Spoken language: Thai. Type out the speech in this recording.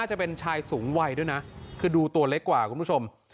จะเป็นชายสูงวัยด้วยนะคือดูตัวเล็กกว่าคุณผู้ชม